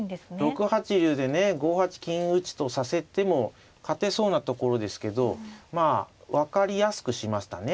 ６八竜でね５八金打とさせても勝てそうなところですけどまあ分かりやすくしましたね。